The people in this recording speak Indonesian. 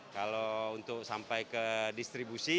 kalau untuk sampai ke distribusi